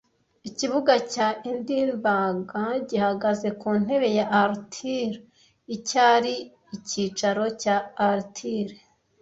Ikibuga cya Edinburgh gihagaze ku ntebe ya Arthur icyari icyicaro cya Arthur